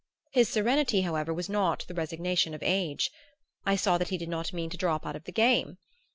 His serenity, however, was not the resignation of age. I saw that he did not mean to drop out of the game.